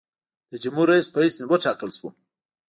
د جمهورریس په حیث وټاکل شوم.